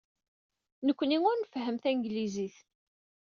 Nekkni ur nfehhem tanglizit.